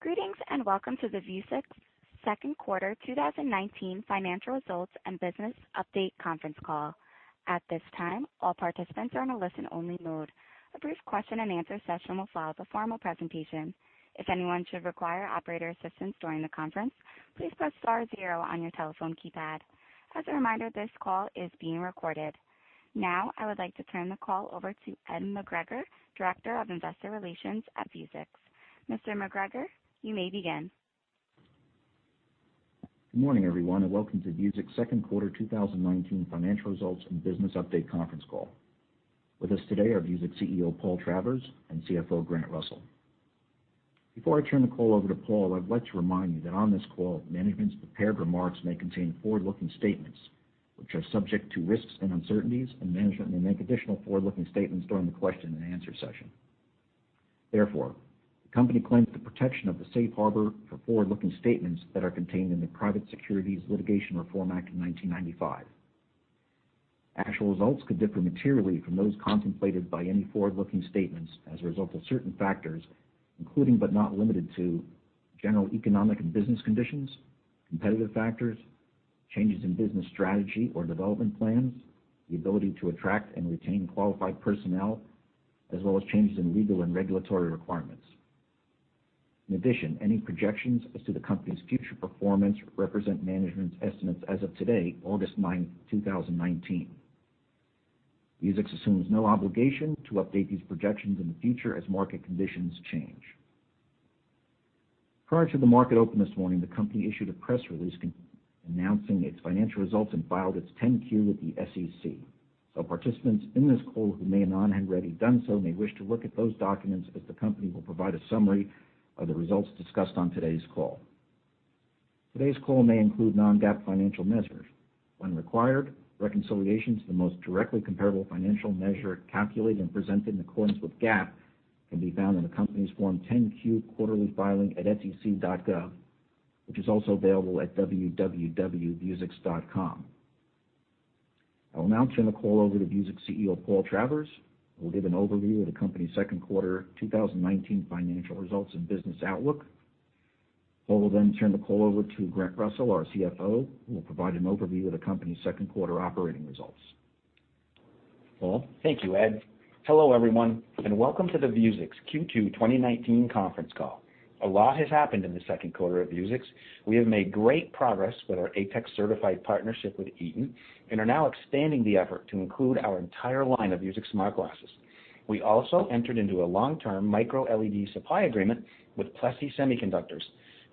Greetings, welcome to the Vuzix Second Quarter 2019 Financial Results and Business Update Conference Call. At this time, all participants are in a listen-only mode. A brief question and answer session will follow the formal presentation. If anyone should require operator assistance during the conference, please press star zero on your telephone keypad. As a reminder, this call is being recorded. I would like to turn the call over to Ed McGregor, Director of Investor Relations at Vuzix. Mr. McGregor, you may begin. Good morning, everyone, welcome to Vuzix Second Quarter 2019 Financial Results and Business Update Conference Call. With us today are Vuzix CEO, Paul Travers, and CFO, Grant Russell. Before I turn the call over to Paul, I'd like to remind you that on this call, management's prepared remarks may contain forward-looking statements which are subject to risks and uncertainties, management may make additional forward-looking statements during the question and answer session. The company claims the protection of the safe harbor for forward-looking statements that are contained in the Private Securities Litigation Reform Act of 1995. Actual results could differ materially from those contemplated by any forward-looking statements as a result of certain factors, including but not limited to, general economic and business conditions, competitive factors, changes in business strategy or development plans, the ability to attract and retain qualified personnel, as well as changes in legal and regulatory requirements. In addition, any projections as to the company's future performance represent management estimates as of today, August 9th, 2019. Vuzix assumes no obligation to update these projections in the future as market conditions change. Prior to the market open this morning, the company issued a press release announcing its financial results and filed its 10-Q with the SEC. Participants in this call who may not have already done so may wish to look at those documents, as the company will provide a summary of the results discussed on today's call. Today's call may include non-GAAP financial measures. When required, reconciliation to the most directly comparable financial measure calculated and presented in accordance with GAAP can be found in the company's Form 10-Q quarterly filing at sec.gov, which is also available at www.vuzix.com. I will now turn the call over to Vuzix CEO, Paul Travers, who will give an overview of the company's second quarter 2019 financial results and business outlook. Paul will turn the call over to Grant Russell, our CFO, who will provide an overview of the company's second quarter operating results. Paul? Thank you, Ed. Hello, everyone, and welcome to the Vuzix Q2 2019 conference call. A lot has happened in the second quarter at Vuzix. We have made great progress with our ATEX certified partnership with Eaton and are now expanding the effort to include our entire line of Vuzix smart glasses. We also entered into a long-term microLED supply agreement with Plessey Semiconductors.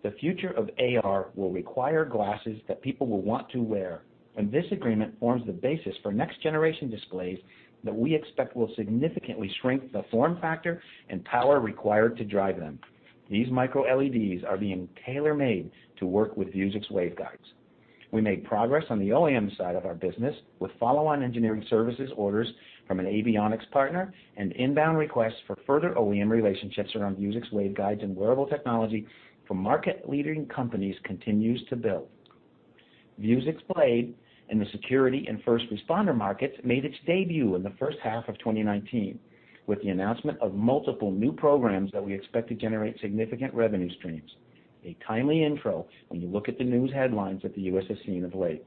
The future of AR will require glasses that people will want to wear, and this agreement forms the basis for next-generation displays that we expect will significantly shrink the form factor and power required to drive them. These microLEDs are being tailor-made to work with Vuzix waveguides. We made progress on the OEM side of our business with follow-on engineering services orders from an avionics partner, and inbound requests for further OEM relationships around Vuzix waveguides and wearable technology from market-leading companies continues to build. Vuzix Blade in the security and first responder markets made its debut in the first half of 2019 with the announcement of multiple new programs that we expect to generate significant revenue streams. A timely intro when you look at the news headlines that the U.S. has seen of late.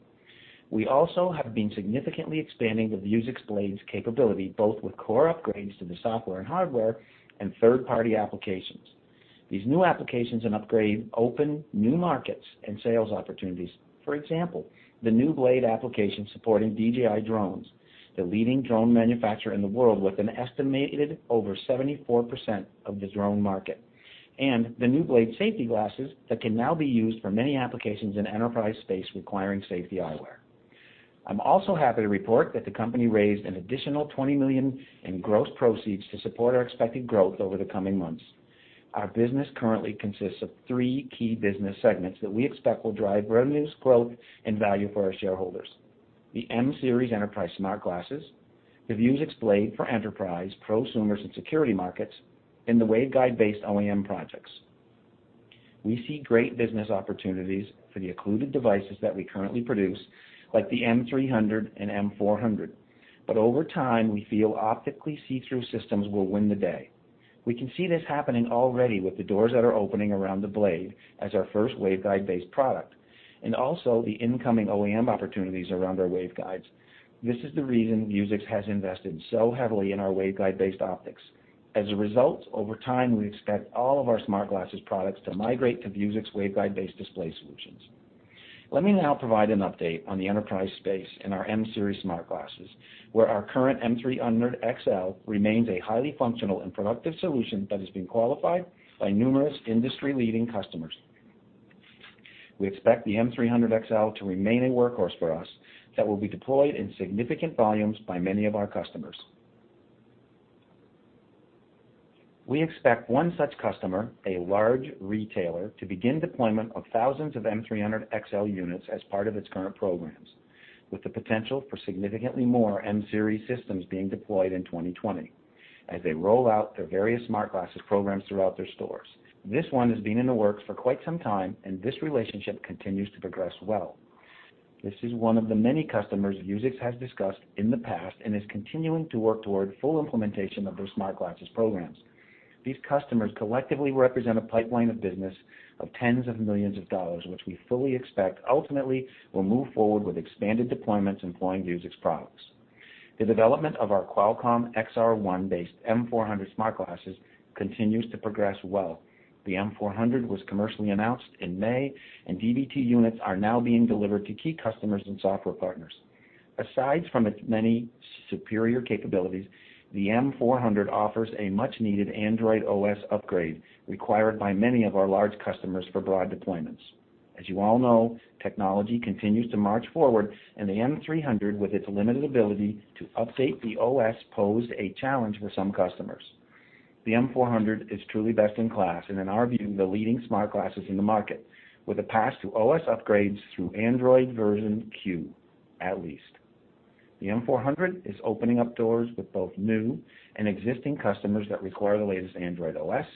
We also have been significantly expanding the Vuzix Blade's capability, both with core upgrades to the software and hardware and third-party applications. These new applications and upgrades open new markets and sales opportunities. For example, the new Blade application supporting DJI drones, the leading drone manufacturer in the world with an estimated over 74% of the drone market, and the new Blade safety glasses that can now be used for many applications in enterprise space requiring safety eyewear. I'm also happy to report that the company raised an additional $20 million in gross proceeds to support our expected growth over the coming months. Our business currently consists of three key business segments that we expect will drive revenue growth and value for our shareholders. The M Series enterprise smart glasses, the Vuzix Blade for enterprise, prosumers, and security markets, and the waveguide-based OEM projects. We see great business opportunities for the occluded devices that we currently produce, like the M300 and M400. Over time, we feel optically see-through systems will win the day. We can see this happening already with the doors that are opening around the Blade as our first waveguide-based product, and also the incoming OEM opportunities around our waveguides. This is the reason Vuzix has invested so heavily in our waveguide-based optics. Over time, we expect all of our smart glasses products to migrate to Vuzix waveguide-based display solutions. Let me now provide an update on the enterprise space in our M Series smart glasses, where our current M300 XL remains a highly functional and productive solution that has been qualified by numerous industry-leading customers. We expect the M300 XL to remain a workhorse for us that will be deployed in significant volumes by many of our customers. We expect one such customer, a large retailer, to begin deployment of thousands of M300 XL units as part of its current programs, with the potential for significantly more M Series systems being deployed in 2020 as they roll out their various smart glasses programs throughout their stores. This one has been in the works for quite some time, and this relationship continues to progress well. This is one of the many customers Vuzix has discussed in the past and is continuing to work toward full implementation of their smart glasses programs. These customers collectively represent a pipeline of business of tens of millions of dollars, which we fully expect ultimately will move forward with expanded deployments employing Vuzix products. The development of our Qualcomm XR1-based M400 smart glasses continues to progress well. The M400 was commercially announced in May, and DVT units are now being delivered to key customers and software partners. Aside from its many superior capabilities, the M400 offers a much-needed Android OS upgrade required by many of our large customers for broad deployments. As you all know, technology continues to march forward, and the M300, with its limited ability to update the OS, posed a challenge for some customers. The M400 is truly best in class and in our view, the leading smart glasses in the market, with a path to OS upgrades through Android version Q at least. The M400 is opening up doors with both new and existing customers that require the latest Android OS,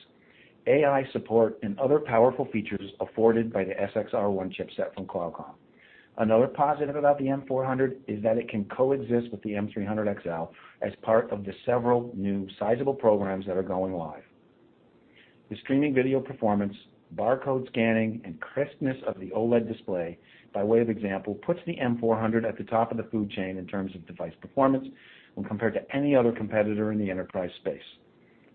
AI support, and other powerful features afforded by the Snapdragon XR1 chipset from Qualcomm. Another positive about the M400 is that it can coexist with the M300XL as part of the several new sizable programs that are going live. The streaming video performance, barcode scanning, and crispness of the OLED display, by way of example, puts the M400 at the top of the food chain in terms of device performance when compared to any other competitor in the enterprise space.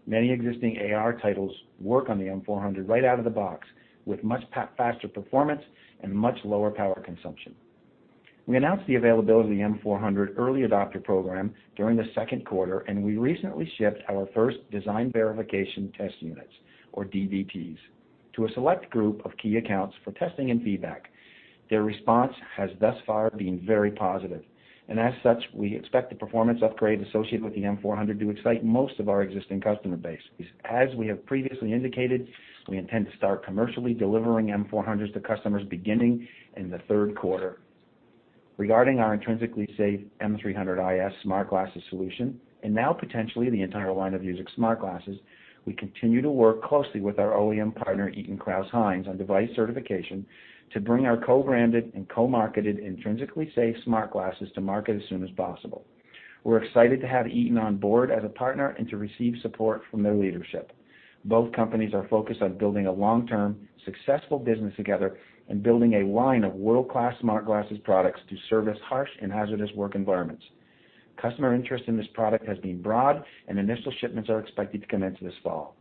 Many existing AR titles work on the M400 right out of the box with much faster performance and much lower power consumption. We announced the availability of the M400 early adopter program during the second quarter, and we recently shipped our first design verification test units, or DVTs, to a select group of key accounts for testing and feedback. Their response has thus far been very positive, and as such, we expect the performance upgrade associated with the M400 to excite most of our existing customer base. As we have previously indicated, we intend to start commercially delivering M400s to customers beginning in the third quarter. Regarding our intrinsically safe M300 IS smart glasses solution, and now potentially the entire line of Vuzix smart glasses, we continue to work closely with our OEM partner, Eaton Crouse-Hinds, on device certification to bring our co-branded and co-marketed intrinsically safe smart glasses to market as soon as possible. We're excited to have Eaton on board as a partner and to receive support from their leadership. Both companies are focused on building a long-term, successful business together and building a line of world-class smart glasses products to service harsh and hazardous work environments. Customer interest in this product has been broad, and initial shipments are expected to commence this fall.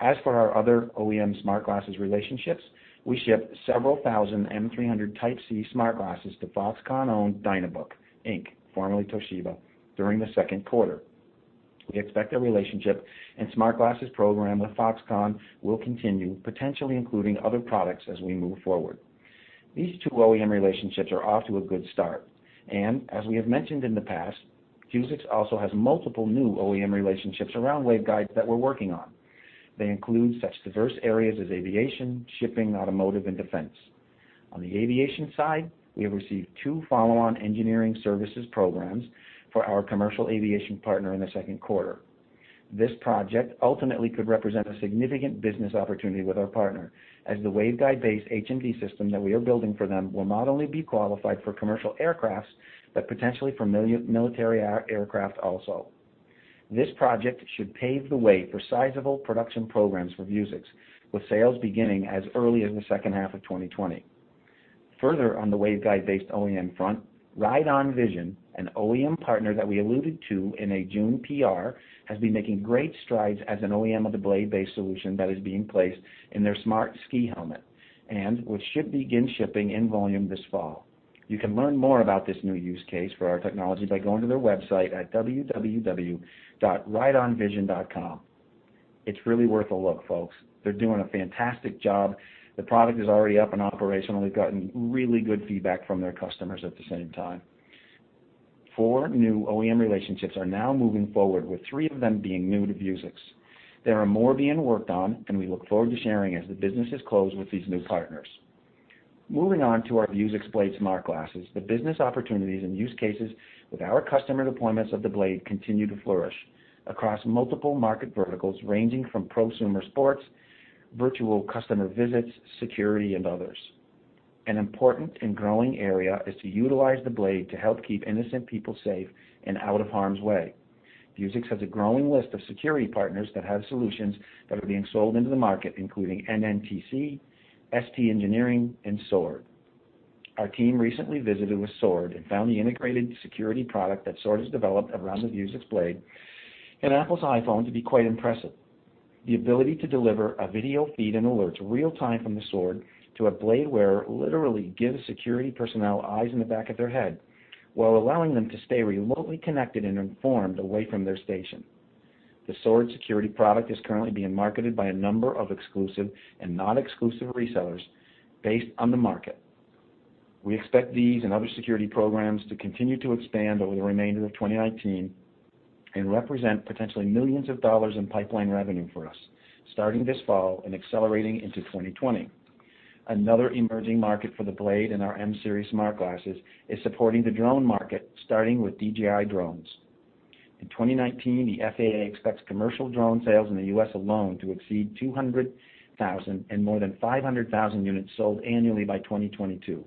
As for our other OEM smart glasses relationships, we shipped several thousand M300 Type C smart glasses to Foxconn-owned Dynabook Inc., formerly Toshiba, during the second quarter. We expect the relationship and smart glasses program with Foxconn will continue, potentially including other products as we move forward. These two OEM relationships are off to a good start, as we have mentioned in the past, Vuzix also has multiple new OEM relationships around waveguides that we're working on. They include such diverse areas as aviation, shipping, automotive, and defense. On the aviation side, we have received two follow-on engineering services programs for our commercial aviation partner in the second quarter. This project ultimately could represent a significant business opportunity with our partner, as the waveguide-based HMD system that we are building for them will not only be qualified for commercial aircraft but potentially for military aircraft also. This project should pave the way for sizable production programs for Vuzix, with sales beginning as early as the second half of 2020. Further on the waveguide-based OEM front, Ride-On Vision, an OEM partner that we alluded to in a June PR, has been making great strides as an OEM of the Blade-based solution that is being placed in their smart ski helmet and which should begin shipping in volume this fall. You can learn more about this new use case for our technology by going to their website at www.rideonvision.com. It's really worth a look, folks. They're doing a fantastic job. The product is already up and operational. They've gotten really good feedback from their customers at the same time. Four new OEM relationships are now moving forward, with three of them being new to Vuzix. There are more being worked on, we look forward to sharing as the businesses close with these new partners. Moving on to our Vuzix Blade Smart Glasses, the business opportunities and use cases with our customer deployments of the Blade continue to flourish across multiple market verticals, ranging from prosumer sports, virtual customer visits, security, and others. An important and growing area is to utilize the Blade to help keep innocent people safe and out of harm's way. Vuzix has a growing list of security partners that have solutions that are being sold into the market, including NNTC, ST Engineering, and SWORD. Our team recently visited with SWORD and found the integrated security product that SWORD has developed around the Vuzix Blade and Apple's iPhone to be quite impressive. The ability to deliver a video feed and alerts real-time from the SWORD to a Blade wearer literally gives security personnel eyes in the back of their head while allowing them to stay remotely connected and informed away from their station. The SWORD security product is currently being marketed by a number of exclusive and non-exclusive resellers based on the market. We expect these and other security programs to continue to expand over the remainder of 2019 and represent potentially millions of dollars in pipeline revenue for us starting this fall and accelerating into 2020. Another emerging market for the Blade and our M Series smart glasses is supporting the drone market, starting with DJI drones. In 2019, the FAA expects commercial drone sales in the U.S. alone to exceed 200,000 and more than 500,000 units sold annually by 2022.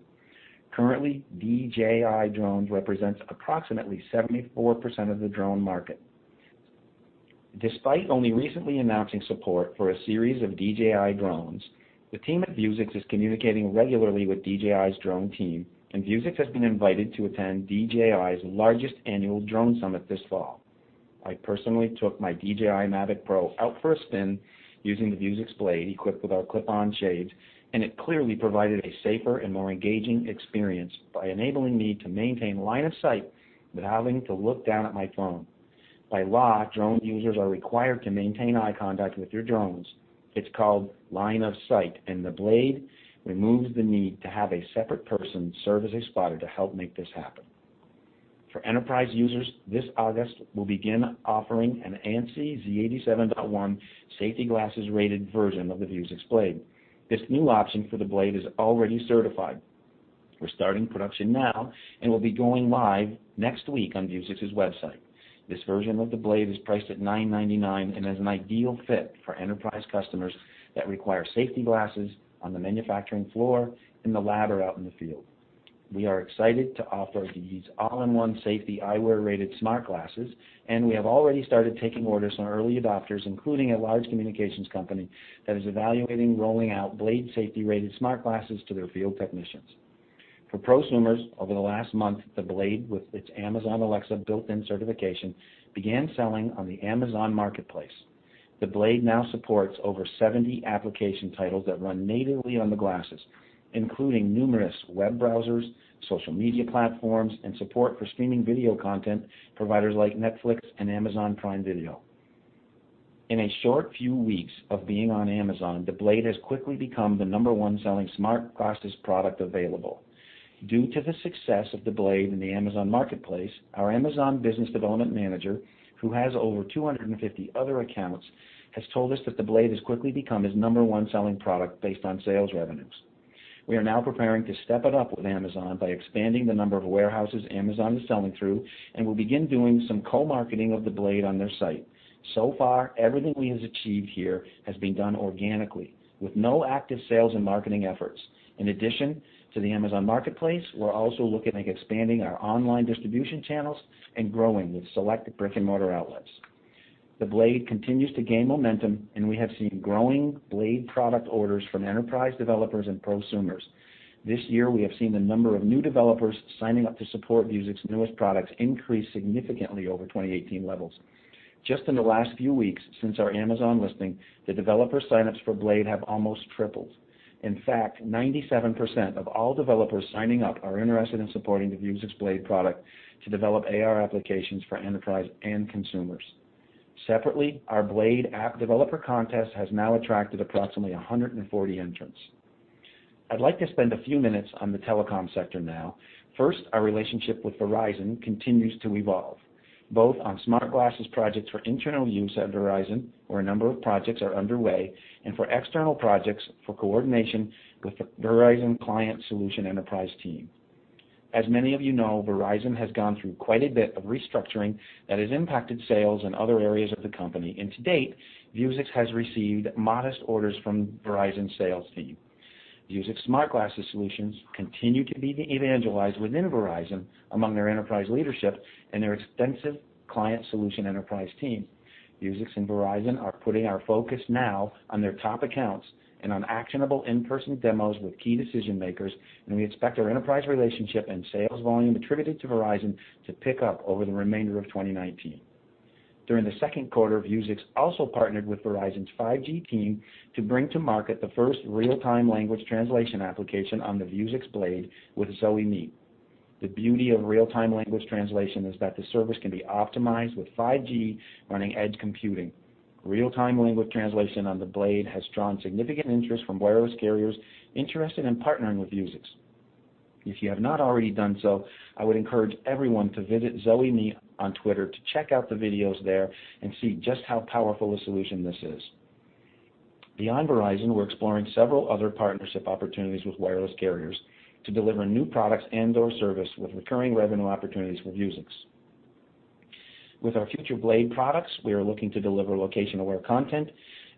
Currently, DJI drones represents approximately 74% of the drone market. Despite only recently announcing support for a series of DJI drones, the team at Vuzix is communicating regularly with DJI's drone team, and Vuzix has been invited to attend DJI's largest annual drone summit this fall. I personally took my DJI Mavic Pro out for a spin using the Vuzix Blade equipped with our clip-on shades, and it clearly provided a safer and more engaging experience by enabling me to maintain line of sight without having to look down at my phone. By law, drone users are required to maintain eye contact with your drones. It's called line of sight, and the Blade removes the need to have a separate person serve as a spotter to help make this happen. For enterprise users, this August, we'll begin offering an ANSI Z87.1 safety glasses rated version of the Vuzix Blade. This new option for the Blade is already certified. We're starting production now and will be going live next week on Vuzix's website. This version of the Blade is priced at $999 and is an ideal fit for enterprise customers that require safety glasses on the manufacturing floor, in the lab, or out in the field. We are excited to offer these all-in-one safety eyewear rated smart glasses, and we have already started taking orders from early adopters, including a large communications company that is evaluating rolling out Blade safety rated smart glasses to their field technicians. For prosumers, over the last month, the Blade, with its Amazon Alexa built-in certification, began selling on the Amazon Marketplace. The Blade now supports over 70 application titles that run natively on the glasses, including numerous web browsers, social media platforms, and support for streaming video content providers like Netflix and Amazon Prime Video. In a short few weeks of being on Amazon, the Blade has quickly become the number one selling smart glasses product available. Due to the success of the Blade in the Amazon Marketplace, our Amazon business development manager, who has over 250 other accounts, has told us that the Blade has quickly become his number one selling product based on sales revenues. We are now preparing to step it up with Amazon by expanding the number of warehouses Amazon is selling through and will begin doing some co-marketing of the Blade on their site. So far, everything we have achieved here has been done organically with no active sales and marketing efforts. In addition to the Amazon Marketplace, we're also looking at expanding our online distribution channels and growing with select brick-and-mortar outlets. The Blade continues to gain momentum, and we have seen growing Blade product orders from enterprise developers and prosumers. This year, we have seen the number of new developers signing up to support Vuzix newest products increase significantly over 2018 levels. Just in the last few weeks since our Amazon listing, the developer sign-ups for Blade have almost tripled. In fact, 97% of all developers signing up are interested in supporting the Vuzix Blade product to develop AR applications for enterprise and consumers. Separately, our Blade app developer contest has now attracted approximately 140 entrants. I'd like to spend a few minutes on the telecom sector now. First, our relationship with Verizon continues to evolve, both on smart glasses projects for internal use at Verizon, where a number of projects are underway, and for external projects for coordination with the Verizon Enterprise Solutions team. As many of you know, Verizon has gone through quite a bit of restructuring that has impacted sales in other areas of the company, and to date, Vuzix has received modest orders from Verizon's sales team. Vuzix smart glasses solutions continue to be evangelized within Verizon among their enterprise leadership and their extensive client solution enterprise team. Vuzix and Verizon are putting our focus now on their top accounts and on actionable in-person demos with key decision-makers, and we expect our enterprise relationship and sales volume attributed to Verizon to pick up over the remainder of 2019. During the second quarter, Vuzix also partnered with Verizon's 5G team to bring to market the first real-time language translation application on the Vuzix Blade with Zoi Meet. The beauty of real-time language translation is that the service can be optimized with 5G running edge computing. Real-time language translation on the Blade has drawn significant interest from wireless carriers interested in partnering with Vuzix. If you have not already done so, I would encourage everyone to visit Zoi Meet on Twitter to check out the videos there and see just how powerful a solution this is. Beyond Verizon, we're exploring several other partnership opportunities with wireless carriers to deliver new products and/or service with recurring revenue opportunities for Vuzix. With our future Blade products, we are looking to deliver location-aware content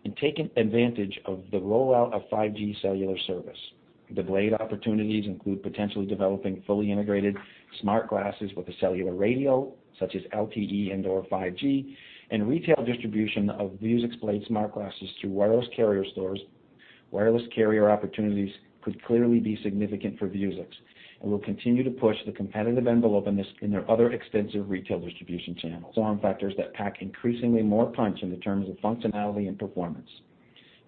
and taking advantage of the rollout of 5G cellular service. The Blade opportunities include potentially developing fully integrated smart glasses with a cellular radio, such as LTE and/or 5G, and retail distribution of Vuzix Blade smart glasses through wireless carrier stores. Wireless carrier opportunities could clearly be significant for Vuzix, and we'll continue to push the competitive envelope in this and our other extensive retail distribution channels. Form factors that pack increasingly more punch in terms of functionality and performance.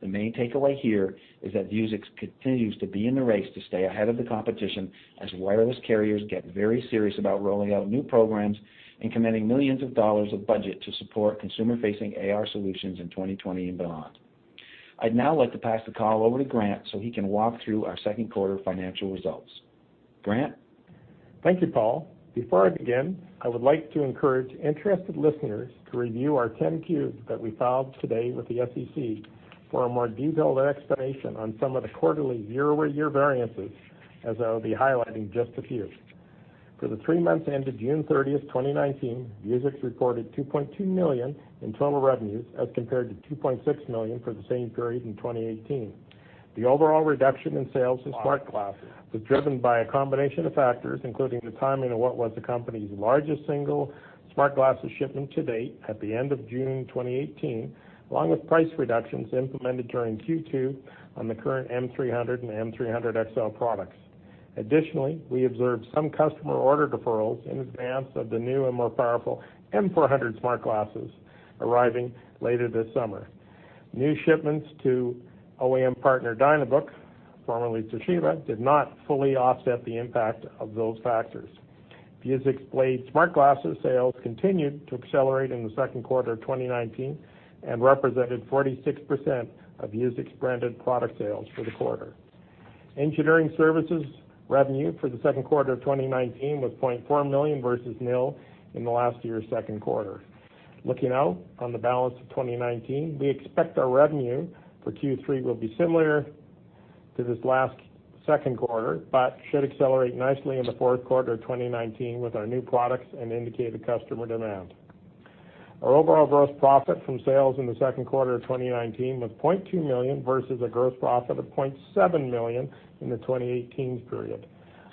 The main takeaway here is that Vuzix continues to be in the race to stay ahead of the competition as wireless carriers get very serious about rolling out new programs and committing millions of dollars of budget to support consumer-facing AR solutions in 2020 and beyond. I'd now like to pass the call over to Grant so he can walk through our second quarter financial results. Grant? Thank you, Paul. Before I begin, I would like to encourage interested listeners to review our 10-Q that we filed today with the SEC for a more detailed explanation on some of the quarterly year-over-year variances, as I will be highlighting just a few. For the three months ended June 30, 2019, Vuzix recorded $2.2 million in total revenues as compared to $2.6 million for the same period in 2018. The overall reduction in sales of smart glasses was driven by a combination of factors, including the timing of what was the company's largest single smart glasses shipment to date at the end of June 2018, along with price reductions implemented during Q2 on the current M300 and M300XL products. Additionally, we observed some customer order deferrals in advance of the new and more powerful M400 smart glasses arriving later this summer. New shipments to OEM partner Dynabook, formerly Toshiba, did not fully offset the impact of those factors. Vuzix Blade smart glasses sales continued to accelerate in the second quarter of 2019 and represented 46% of Vuzix branded product sales for the quarter. Engineering services revenue for the second quarter of 2019 was $0.4 million versus nil in last year's second quarter. Looking out on the balance of 2019, we expect our revenue for Q3 will be similar to this last second quarter, but should accelerate nicely in the fourth quarter of 2019 with our new products and indicated customer demand. Our overall gross profit from sales in the second quarter of 2019 was $0.2 million versus a gross profit of $0.7 million in the 2018 period.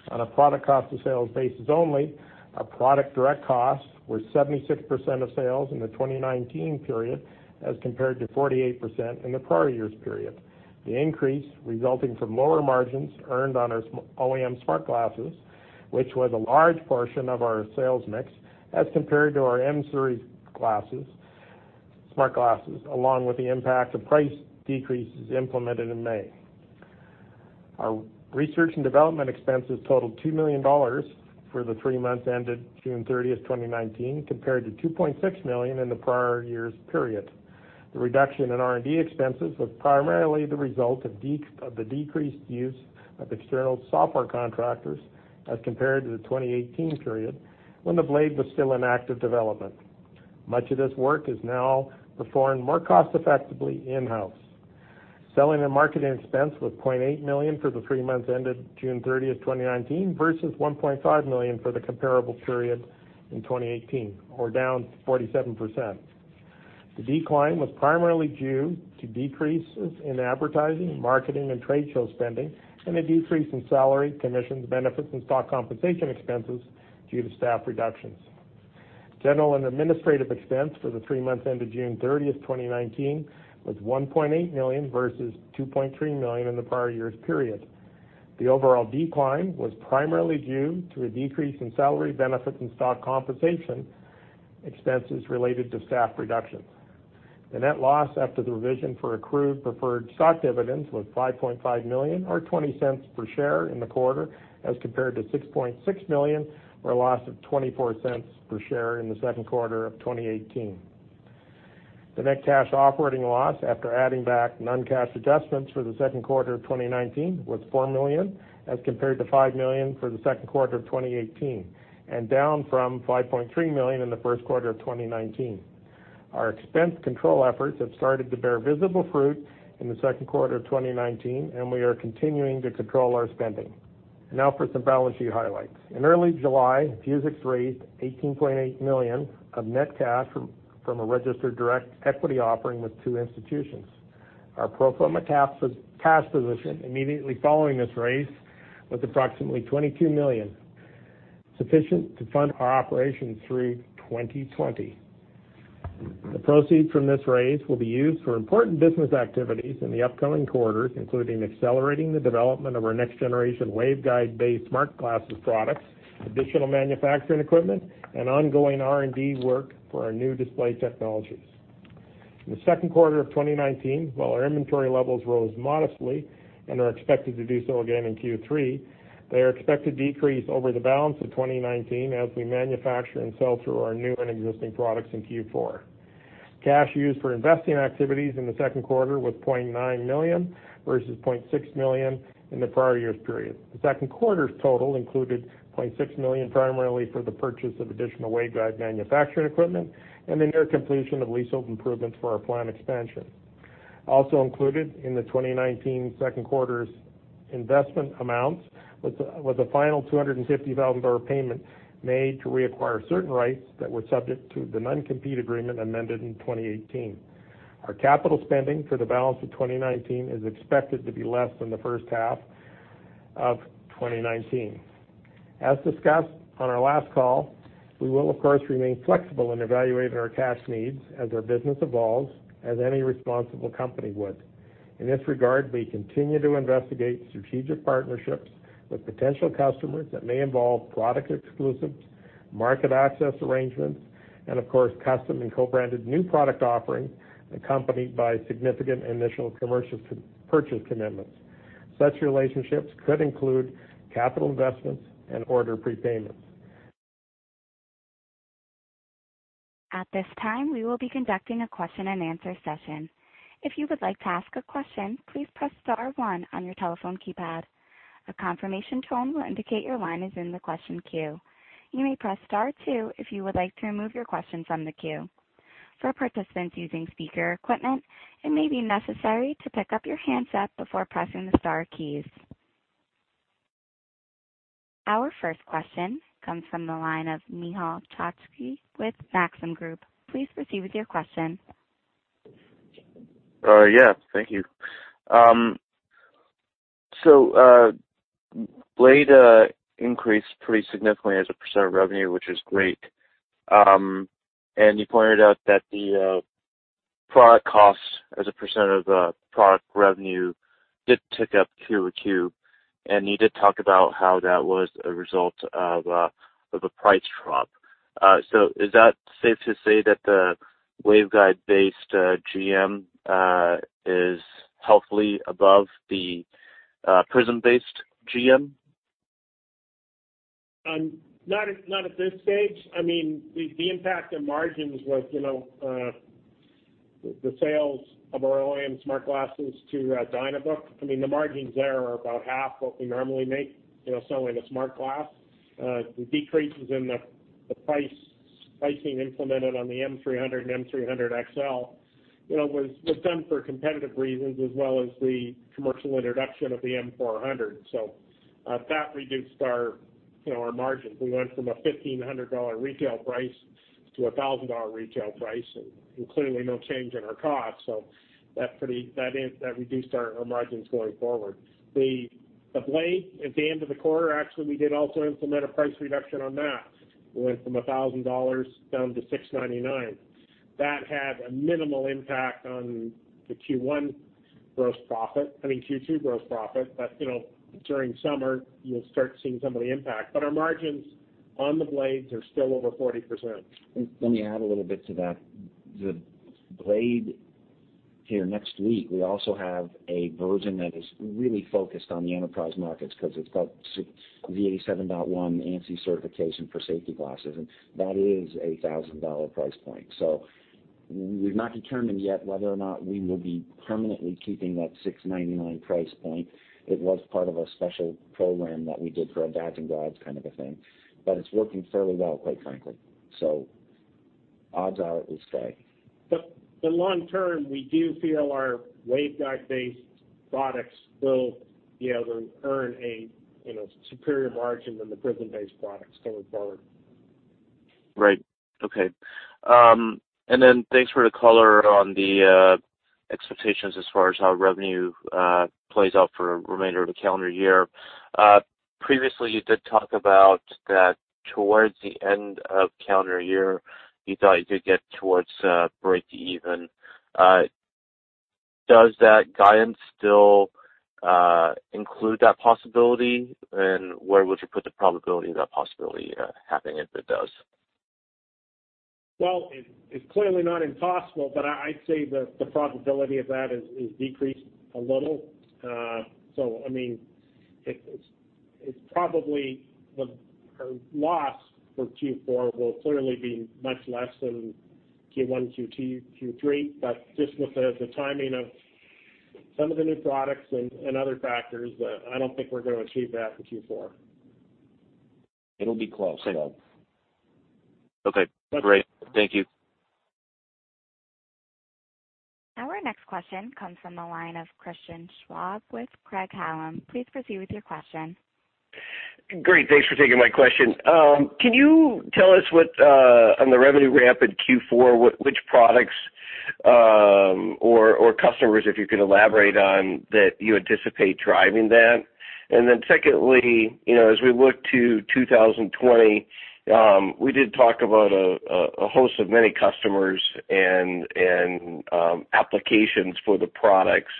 On a product cost of sales basis only, our product direct costs were 76% of sales in the 2019 period as compared to 48% in the prior year's period. The increase resulting from lower margins earned on our OEM smart glasses, which was a large portion of our sales mix as compared to our M300 smart glasses, along with the impact of price decreases implemented in May. Our research and development expenses totaled $2 million for the three months ended June 30, 2019, compared to $2.6 million in the prior year's period. The reduction in R&D expenses was primarily the result of the decreased use of external software contractors as compared to the 2018 period when the Blade was still in active development. Much of this work is now performed more cost effectively in-house. Selling and marketing expense was $0.8 million for the three months ended June 30th, 2019 versus $1.5 million for the comparable period in 2018, or down 47%. The decline was primarily due to decreases in advertising, marketing, and trade show spending, and a decrease in salary, commissions, benefits, and stock compensation expenses due to staff reductions. General and administrative expense for the three months ended June 30th, 2019 was $1.8 million versus $2.3 million in the prior year's period. The overall decline was primarily due to a decrease in salary benefit and stock compensation expenses related to staff reductions. The net loss after the revision for accrued preferred stock dividends was $5.5 million, or $0.20 per share in the quarter as compared to $6.6 million, or a loss of $0.24 per share in the second quarter of 2018. The net cash operating loss after adding back non-cash adjustments for the second quarter of 2019 was $4 million as compared to $5 million for the second quarter of 2018, and down from $5.3 million in the first quarter of 2019. Our expense control efforts have started to bear visible fruit in the second quarter of 2019, and we are continuing to control our spending. Now for some balance sheet highlights. In early July, Vuzix raised $18.8 million of net cash from a registered direct equity offering with two institutions. Our pro forma cash position immediately following this raise was approximately $22 million, sufficient to fund our operations through 2020. The proceeds from this raise will be used for important business activities in the upcoming quarters, including accelerating the development of our next generation waveguide-based smart glasses products, additional manufacturing equipment, and ongoing R&D work for our new display technologies. In the second quarter of 2019, while our inventory levels rose modestly and are expected to do so again in Q3, they are expected to decrease over the balance of 2019 as we manufacture and sell through our new and existing products in Q4. Cash used for investing activities in the second quarter was $0.9 million versus $0.6 million in the prior year's period. The second quarter's total included $0.6 million primarily for the purchase of additional waveguide manufacturing equipment and the near completion of leasehold improvements for our plant expansion. Also included in the 2019 second quarter's investment amounts was a final $250,000 payment made to reacquire certain rights that were subject to the non-compete agreement amended in 2018. Our capital spending for the balance of 2019 is expected to be less than the first half of 2019. As discussed on our last call, we will of course remain flexible in evaluating our cash needs as our business evolves as any responsible company would. In this regard, we continue to investigate strategic partnerships with potential customers that may involve product exclusives, market access arrangements, and of course, custom and co-branded new product offerings accompanied by significant initial commercial purchase commitments. Such relationships could include capital investments and order prepayments. At this time, we will be conducting a question and answer session. If you would like to ask a question, please press star one on your telephone keypad. A confirmation tone will indicate your line is in the question queue. You may press star two if you would like to remove your question from the queue. For participants using speaker equipment, it may be necessary to pick up your handset before pressing the star keys. Our first question comes from the line of Michael Okunewitch with Maxim Group. Please proceed with your question. Yes. Thank you. Blade increased pretty significantly as a % of revenue, which is great. You pointed out that the product costs as a % of the product revenue did tick up Q2, you did talk about how that was a result of a price drop. Is that safe to say that the waveguide-based GM is healthily above the prism-based GM? Not at this stage. The impact on margins was the sales of our OEM smart glasses to Dynabook. The margins there are about half what we normally make selling a smart glass. The decreases in the pricing implemented on the M300 and M300XL was done for competitive reasons as well as the commercial introduction of the M400. That reduced our margins. We went from a $1,500 retail price to a $1,000 retail price, and clearly no change in our cost. That reduced our margins going forward. The Blade at the end of the quarter, actually, we did also implement a price reduction on that. Went from $1,000 down to $699. That had a minimal impact on the Q2 gross profit. During summer, you'll start seeing some of the impact. Our margins on the Blades are still over 40%. Let me add a little bit to that. The Blade here next week, we also have a version that is really focused on the enterprise markets because it's got ANSI Z87.1 certification for safety glasses, and that is a $1,000 price point. We've not determined yet whether or not we will be permanently keeping that $699 price point. It was part of a special program that we did for a back-to-school kind of a thing, but it's working fairly well, quite frankly. Odds are it will stay. The long term, we do feel our waveguide-based products will be able to earn a superior margin than the prism-based products going forward. Right. Okay. Thanks for the color on the expectations as far as how revenue plays out for the remainder of the calendar year. Previously, you did talk about that towards the end of calendar year, you thought you could get towards break even. Does that guidance still include that possibility? Where would you put the probability of that possibility happening if it does? Well, it's clearly not impossible, but I'd say the probability of that has decreased a little. It's probably the loss for Q4 will clearly be much less than Q1, Q2, Q3. Just with the timing of some of the new products and other factors, I don't think we're going to achieve that for Q4. It'll be close though. Okay, great. Thank you. Our next question comes from the line of Christian Schwab with Craig-Hallum. Please proceed with your question. Great. Thanks for taking my question. Can you tell us what, on the revenue ramp in Q4, which products or customers, if you could elaborate on, that you anticipate driving that? Secondly, as we look to 2020, we did talk about a host of many customers and applications for the products.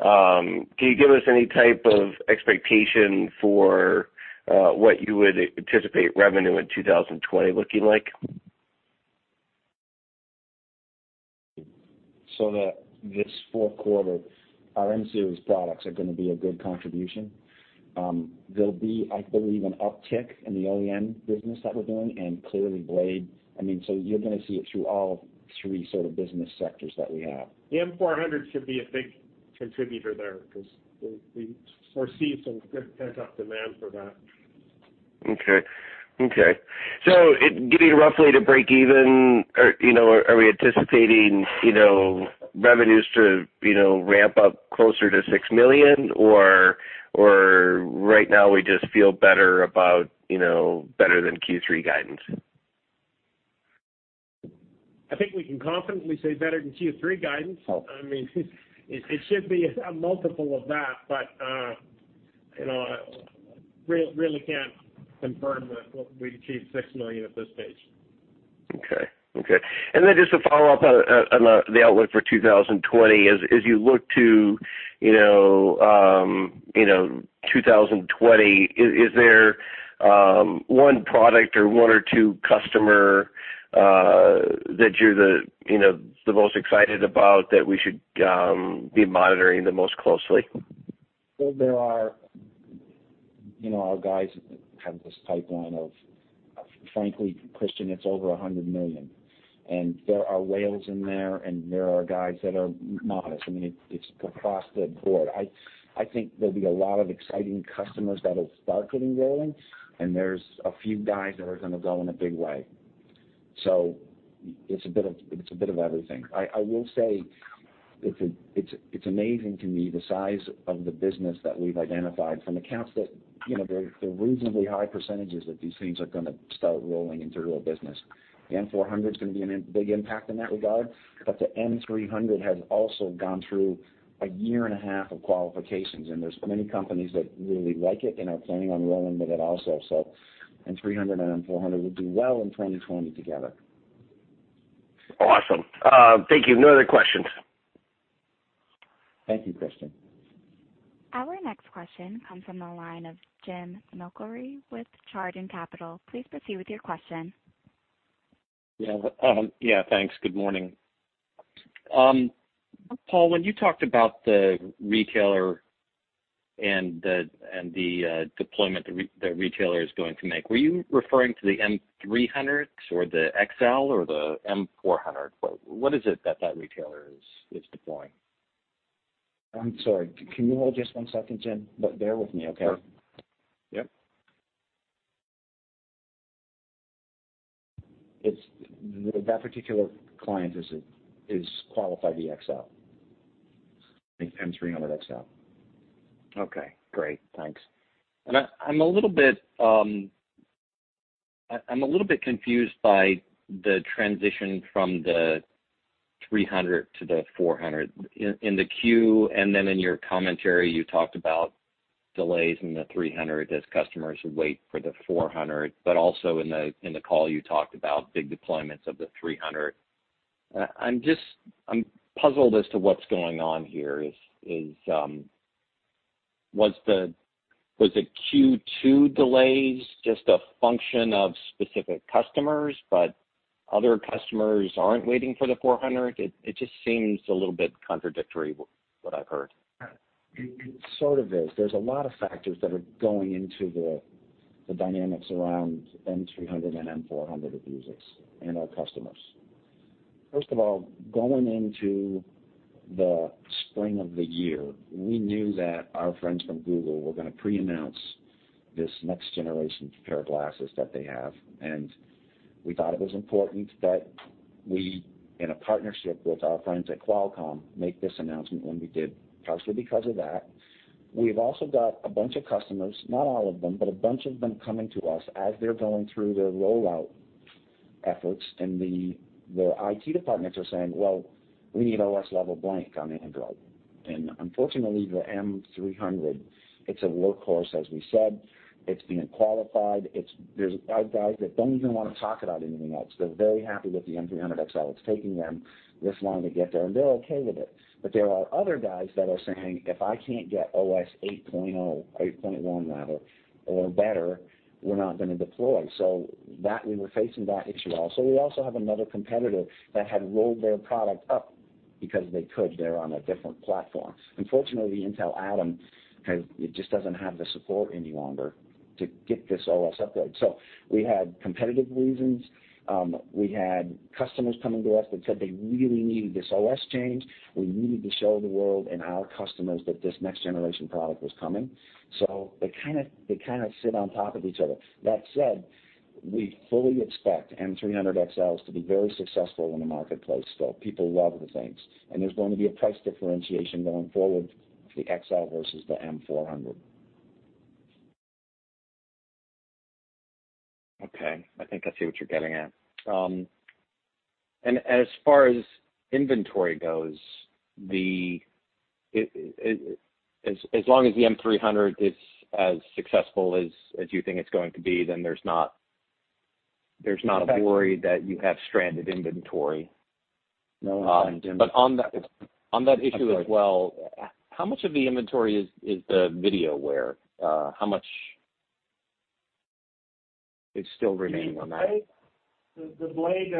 Can you give us any type of expectation for what you would anticipate revenue in 2020 looking like? That this fourth quarter, our M Series products are going to be a good contribution. There'll be, I believe, an uptick in the OEM business that we're doing, and clearly Blade. You're going to see it through all three sort of business sectors that we have. The M400 should be a big contributor there because we foresee some good pent-up demand for that. Okay. Getting roughly to break even, are we anticipating revenues to ramp up closer to $6 million? Right now we just feel better than Q3 guidance? I think we can confidently say better than Q3 guidance. Okay. It should be a multiple of that, but I really can't confirm that we'd achieve $6 million at this stage. Okay. Just to follow up on the outlook for 2020, as you look to 2020, is there one product or one or two customers that you're the most excited about that we should be monitoring the most closely? Well, our guys have this pipeline of, frankly, Christian, it's over $100 million. There are whales in there, and there are guys that are modest. It's across the board. I think there'll be a lot of exciting customers that'll start getting rolling, and there's a few guys that are going to go in a big way. It's a bit of everything. I will say it's amazing to me the size of the business that we've identified from accounts that they're reasonably high percentages that these things are going to start rolling into real business. The M400 is going to be a big impact in that regard. The M300 has also gone through a year and a half of qualifications, and there's many companies that really like it and are planning on rolling with it also. M300 and M400 will do well in 2020 together. Awesome. Thank you. No other questions. Thank you, Christian. Our next question comes from the line of Jim McIlree with Chardan Capital. Please proceed with your question. Yeah, thanks. Good morning. Paul, when you talked about the retailer and the deployment the retailer is going to make, were you referring to the M300s or the XL or the M400? What is it that that retailer is deploying? I'm sorry. Can you hold just one second, Jim? Bear with me, okay? Sure. Yep. That particular client has qualified the XL. The M300XL. Okay, great. Thanks. I'm a little bit confused by the transition from the M300 to the M400. In the queue, then in your commentary, you talked about delays in the M300 as customers wait for the M400. Also in the call, you talked about big deployments of the M300. I'm puzzled as to what's going on here. Was the Q2 delays just a function of specific customers, but other customers aren't waiting for the M400? It just seems a little bit contradictory, what I've heard. It sort of is. There's a lot of factors that are going into the dynamics around M300 and M400 Vuzix and our customers. First of all, going into the spring of the year, we knew that our friends from Google were going to pre-announce this next generation pair of glasses that they have, and we thought it was important that we, in a partnership with our friends at Qualcomm, make this announcement when we did, partially because of that. We've also got a bunch of customers, not all of them, but a bunch of them coming to us as they're going through their rollout efforts, and their IT departments are saying, "Well, we need OS level blank on Android." Unfortunately, the M300, it's a workhorse, as we said. It's being qualified. There are guys that don't even want to talk about anything else. They're very happy with the M300XL. It's taking them this long to get there, and they're okay with it. There are other guys that are saying, "If I can't get OS 8.0, 8.1 rather, or better, we're not going to deploy." We were facing that issue also. We also have another competitor that had rolled their product up because they could. They're on a different platform. Unfortunately, Intel Atom, it just doesn't have the support any longer to get this OS upgrade. We had competitive reasons. We had customers coming to us that said they really needed this OS change. We needed to show the world and our customers that this next generation product was coming. They kind of sit on top of each other. That said, we fully expect M300XLs to be very successful in the marketplace still. People love the things. There's going to be a price differentiation going forward, the XL versus the M400. Okay. I think I see what you're getting at. As far as inventory goes, as long as the M300 is as successful as you think it's going to be. Exactly a worry that you have stranded inventory. No. On that issue as well. I'm sorry How much of the inventory is the video wear? How much is still remaining on that? The Blade,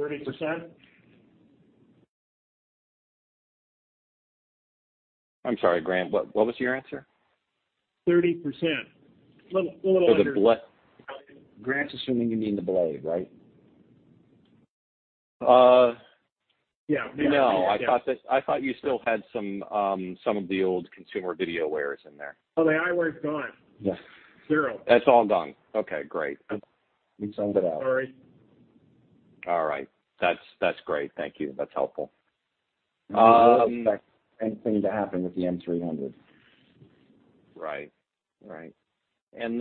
30%. I'm sorry, Grant, what was your answer? 30%. A little under. Grant's assuming you mean the Blade, right? Yeah. No. Yeah. I thought you still had some of the old consumer video wears in there. Oh, the iWear is gone. Yes. Zero. That's all done. Okay, great. We sold it out. Sorry. All right. That's great. Thank you. That's helpful. We don't expect anything to happen with the M300. Right. In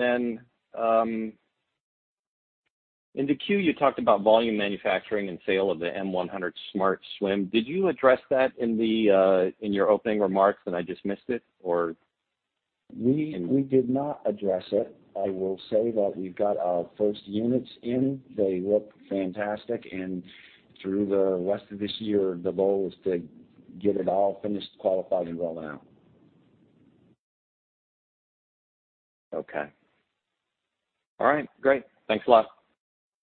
the queue, you talked about volume manufacturing and sale of the M100 Smart Swim. Did you address that in your opening remarks and I just missed it, or? We did not address it. I will say that we've got our first units in. They look fantastic, and through the rest of this year, the goal is to get it all finished, qualified, and rolled out. Okay. All right, great. Thanks a lot.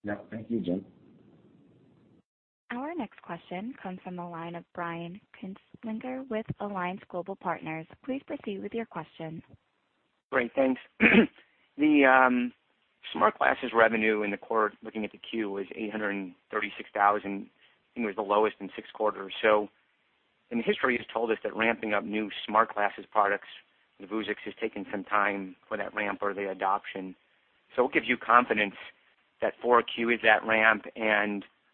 Yeah, thank you, Jim. Our next question comes from the line of Brian Kinstlinger with Alliance Global Partners. Please proceed with your question. Great, thanks. The Smart Glasses revenue in the quarter, looking at the 10-Q, was $836,000, I think it was the lowest in six quarters. History has told us that ramping up new Smart Glasses products, Vuzix, has taken some time for that ramp or the adoption. What gives you confidence that 4Q is at ramp?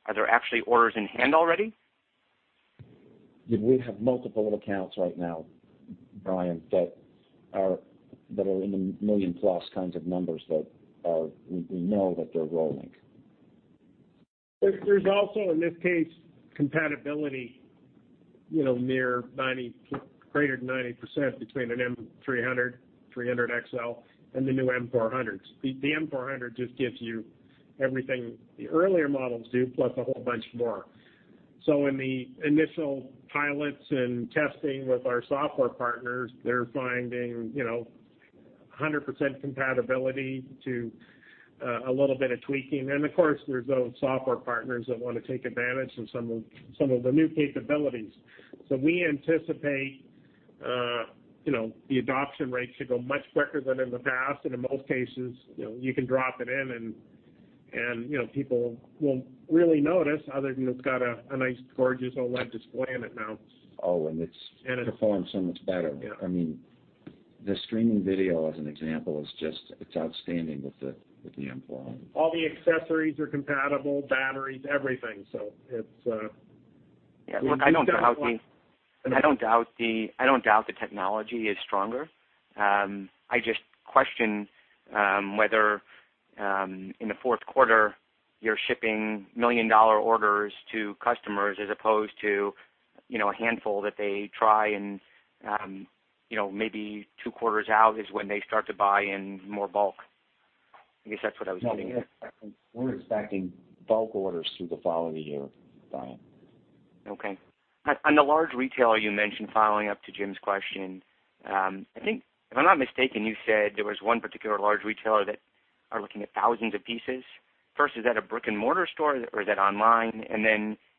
Are there actually orders in hand already? We have multiple accounts right now, Brian, that are in the million-plus kinds of numbers that we know that they're rolling. There's also, in this case, compatibility greater than 90% between an M300, 300XL, and the new M400s. The M400 just gives you everything the earlier models do, plus a whole bunch more. In the initial pilots and testing with our software partners, they're finding 100% compatibility to a little bit of tweaking. Of course, there's those software partners that want to take advantage of some of the new capabilities. We anticipate the adoption rate should go much quicker than in the past, and in most cases, you can drop it in and people won't really notice other than it's got a nice, gorgeous OLED display in it now. Oh, it performs so much better. Yeah. The streaming video, as an example, it's outstanding with the M4. All the accessories are compatible, batteries, everything. Yeah. I don't doubt the technology is stronger. I just question whether in the fourth quarter you're shipping million-dollar orders to customers as opposed to a handful that they try, and maybe two quarters out is when they start to buy in more bulk. I guess that's what I was getting at. No, we're expecting bulk orders through the following year, Brian. Okay. On the large retailer you mentioned, following up to Jim's question, I think if I'm not mistaken, you said there was one particular large retailer that are looking at thousands of pieces. First, is that a brick-and-mortar store or is that online?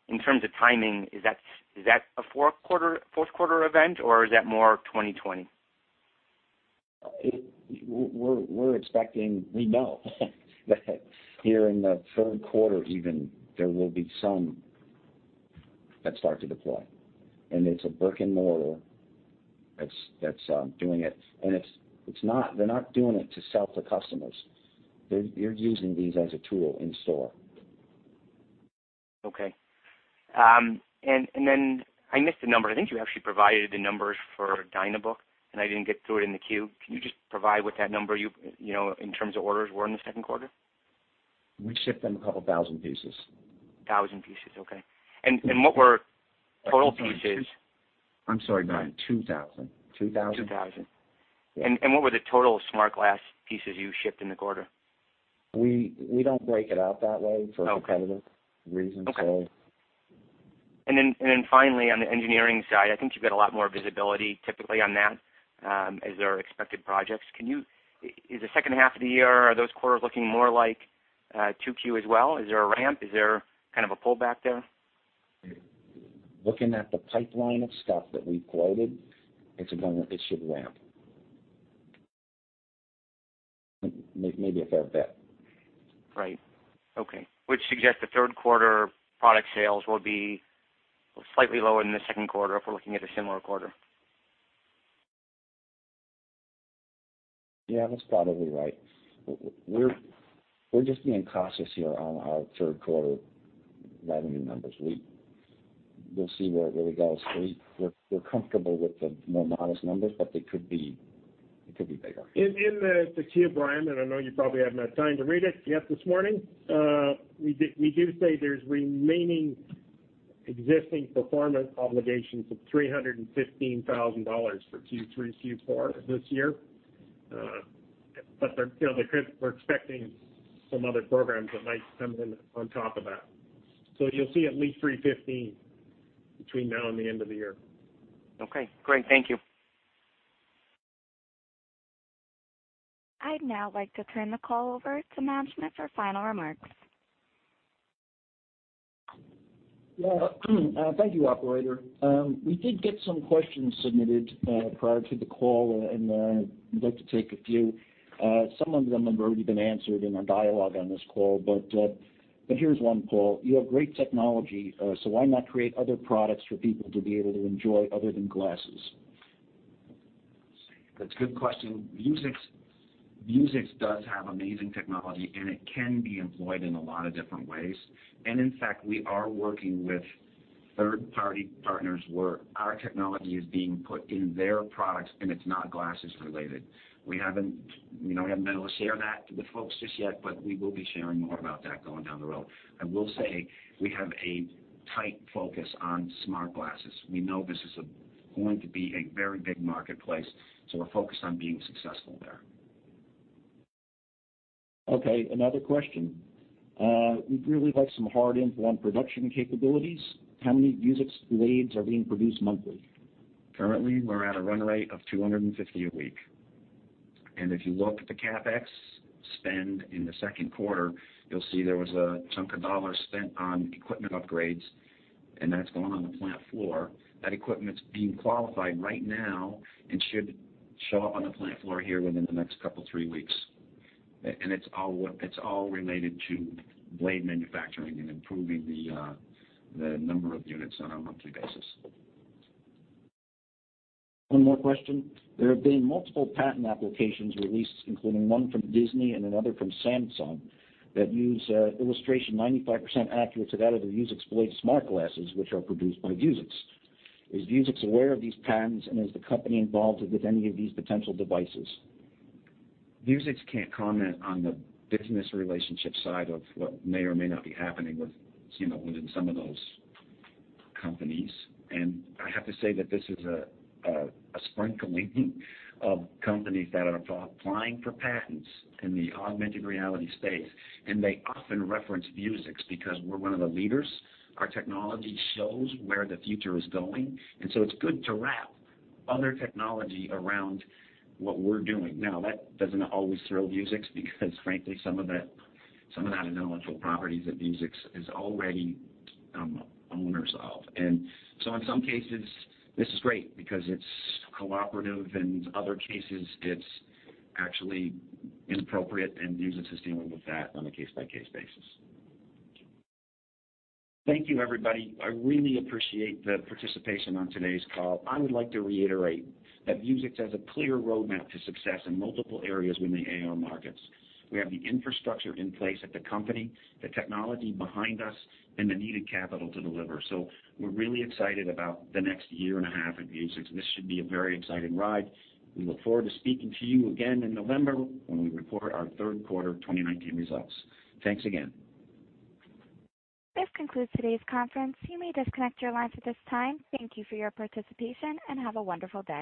In terms of timing, is that a fourth quarter event, or is that more 2020? We're expecting, we know that here in the third quarter even, there will be some that start to deploy. It's a brick-and-mortar that's doing it. They're not doing it to sell to customers. They're using these as a tool in-store. Okay. I missed the number. I think you actually provided the numbers for Dynabook, and I didn't get to it in the queue. Can you just provide what that number in terms of orders were in the second quarter? We shipped them 2,000 pieces. 1,000 pieces. Okay. What were total pieces? I'm sorry, Brian. $2,000. 2,000. What were the total smart glass pieces you shipped in the quarter? We don't break it out that way for competitive reasons. Okay. Then finally, on the engineering side, I think you've got a lot more visibility typically on that as there are expected projects. Is the second half of the year, are those quarters looking more like 2Q as well? Is there a ramp? Is there kind of a pullback there? Looking at the pipeline of stuff that we've quoted, it should ramp. Maybe a fair bet. Right. Okay. Which suggests the third quarter product sales will be slightly lower than the second quarter if we're looking at a similar quarter. Yeah, that's probably right. We're just being cautious here on our third quarter revenue numbers. We'll see where we go. We're comfortable with the more modest numbers, but they could be bigger. In the queue, Brian, I know you probably haven't had time to read it yet this morning, we do say there's remaining existing performance obligations of $315,000 for Q3, Q4 of this year. We're expecting some other programs that might come in on top of that. You'll see at least $315,000 between now and the end of the year. Okay, great. Thank you. I'd now like to turn the call over to management for final remarks. Yeah. Thank you, operator. We did get some questions submitted prior to the call, and I'd like to take a few. Some of them have already been answered in our dialogue on this call, but here's one, Paul: "You have great technology, so why not create other products for people to be able to enjoy other than glasses? That's a good question. Vuzix does have amazing technology, and it can be employed in a lot of different ways. In fact, we are working with third-party partners where our technology is being put in their products, and it's not glasses related. We haven't been able to share that with folks just yet, but we will be sharing more about that going down the road. I will say we have a tight focus on smart glasses. We know this is going to be a very big marketplace, so we're focused on being successful there. Another question. We'd really like some hard info on production capabilities. How many Vuzix Blades are being produced monthly? Currently, we're at a run rate of 250 a week. If you look at the CapEx spend in the second quarter, you'll see there was a chunk of dollars spent on equipment upgrades, and that's gone on the plant floor. That equipment's being qualified right now and should show up on the plant floor here within the next couple, three weeks. It's all related to Blade manufacturing and improving the number of units on a monthly basis. One more question. There have been multiple patent applications released, including one from Disney and another from Samsung, that use illustration 95% accurate to that of the Vuzix Blade Smart Glasses, which are produced by Vuzix. Is Vuzix aware of these patents, and is the company involved with any of these potential devices? Vuzix can't comment on the business relationship side of what may or may not be happening within some of those companies. I have to say that this is a sprinkling of companies that are applying for patents in the augmented reality space, and they often reference Vuzix because we're one of the leaders. Our technology shows where the future is going, and so it's good to wrap other technology around what we're doing. That doesn't always thrill Vuzix because frankly, some of that intellectual property that Vuzix is already owners of. In some cases, this is great because it's cooperative. In other cases, it's actually inappropriate, and Vuzix is dealing with that on a case-by-case basis. Thank you, everybody. I really appreciate the participation on today's call. I would like to reiterate that Vuzix has a clear roadmap to success in multiple areas in the AR markets. We have the infrastructure in place at the company, the technology behind us, and the needed capital to deliver. We're really excited about the next year and a half at Vuzix. This should be a very exciting ride. We look forward to speaking to you again in November when we report our third quarter 2019 results. Thanks again. This concludes today's conference. You may disconnect your lines at this time. Thank you for your participation, and have a wonderful day.